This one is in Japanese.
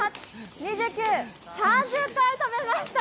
２９、３０回、跳べました。